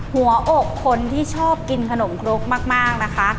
หัวอกคนที่ชอบกินขนมครกมากนะคะ